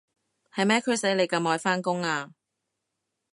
係咩驅使你咁愛返工啊？